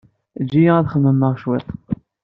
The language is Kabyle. Ejj-iyi ad xemmemeɣ cwiṭ.